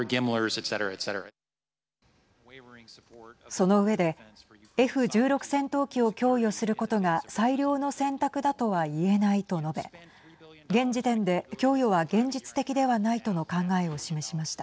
その上でＦ１６戦闘機を供与することが最良の選択だとは言えないと述べ現時点で供与は現実的ではないとの考えを示しました。